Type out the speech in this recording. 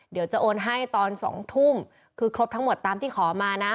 เดี๋ยวจะโอนให้ตอน๒ทุ่มคือครบทั้งหมดตามที่ขอมานะ